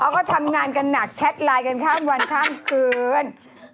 โฟกัสมันก็ไม่ได้ง่ายนะคุณ